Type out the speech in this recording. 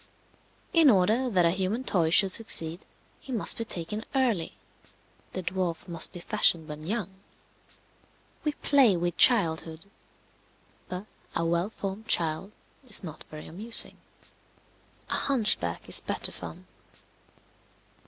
In order that a human toy should succeed, he must be taken early. The dwarf must be fashioned when young. We play with childhood. But a well formed child is not very amusing; a hunchback is better fun.